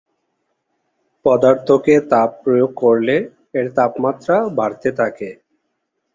পদার্থকে তাপ প্রয়োগ করলে এর তাপমাত্রা বাড়তে থাকে।